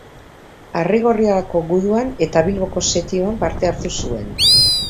Arrigorriagako Guduan eta Bilboko setioan parte hartu zuen.